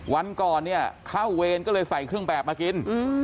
วันก่อนเนี่ยเข้าเวรก็เลยใส่เครื่องแบบมากิน